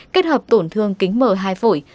kết hợp tổn thương kính mờ hai phổi